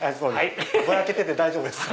ぼやけてて大丈夫です。